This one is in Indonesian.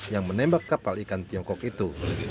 yang menembak kapal ikan tiongkok itu